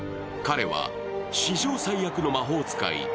彼は、史上最悪の魔法使い